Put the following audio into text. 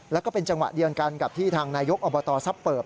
แล้วก็เป็นจังหวะเดียวกันกับที่ทางนายกอบตซับเปิบ